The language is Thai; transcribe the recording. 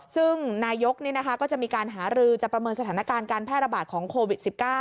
ซึ่งนายกก็จะมีการหารือจะประเมินสถานการณ์การแพร่ระบาดของโควิด๑๙